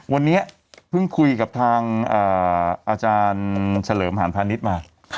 วันนี้เพิ่งคุยกับทางอาจารย์เฉลิมหานพาณิชย์มา